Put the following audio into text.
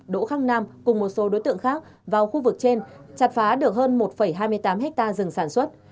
đỗ khắc nam cùng một số đối tượng khác vào khu vực trên chặt phá được hơn một hai mươi tám hectare rừng sản xuất